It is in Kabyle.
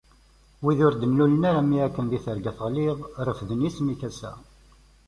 Wid ur d-nlul ara mi akken di terga teɣliḍ, refden isem-ik ass-a.